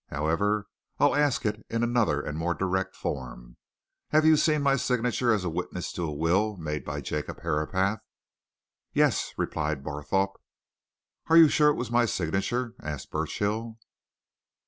"However, I'll ask it in another and more direct form. Have you seen my signature as witness to a will made by Jacob Herapath?" "Yes," replied Barthorpe. "Are you sure it was my signature?" asked Burchill.